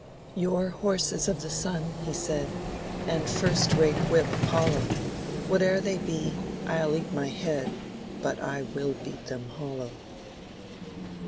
"Your horses of the Sun," he said, "And first rate whip Apollo! Whate'er they be, I'll eat my head, But I will beat them hollow."